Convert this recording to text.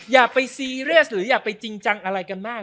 อยากไปแสงหรือยังไปจริงมั่งอะไรกันมาก